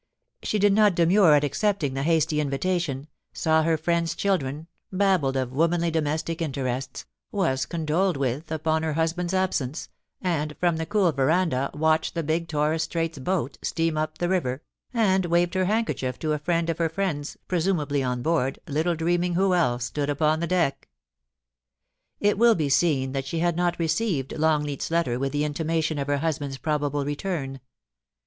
She did not demur at accepting the hasty invitation, saw her friend's children, babbled of womanly domestic interests, was condoled with upon her husband's absence, and from the cool veranda watched the big Torres Straits boat steam up the river, and waved her handkerchief to a friend of her friend's, presumably on board, little dreaming who else stood upon the deck. It will be seen that she had not received Longleat's letter with the intimation of her husband's probable return.